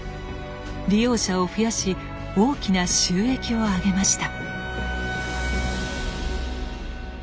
利用者を増やし大きな収益を上げました。